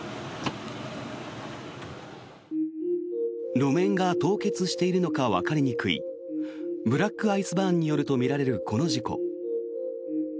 路面が凍結しているのかわかりにくいブラックアイスバーンによるとみられるこの事故。